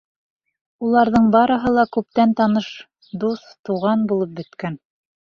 Уларҙың барыһы ла күптән таныш, дуҫ, туған булып бөткән.